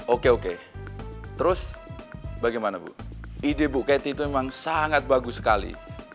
oke oke terus bagaimana bu ide bu ketty itu memang sangat bagus sekali